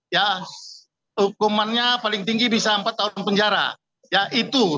ya hukumannya paling tinggi bisa empat tahun penjara ya itu